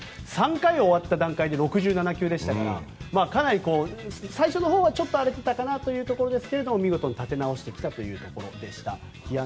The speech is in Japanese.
３回終わった段階で６７球でしたからかなり最初のほうはちょっと荒れたかなというところでしたが見事に立て直してきたというところでした。